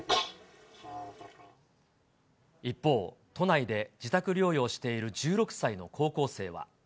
一方、都内で自宅療養している１６歳の高校生は。